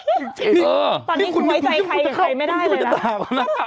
อาจารย์อ่ะตอนนี้แต่วัยใจใครกับใครไม่ได้เลยล่ะ